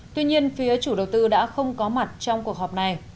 tuy nhiên phía chủ đầu tư đã không có mặt trong cuộc họp này